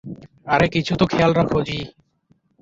আরে কিছু তো খেয়াল রাখো, জ্বি।